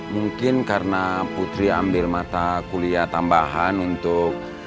mungkin karena putri ambil mata kuliah tambahan untuk